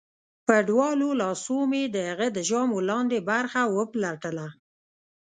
په دواړو لاسو مې د هغه د ژامو لاندې برخه وپلټله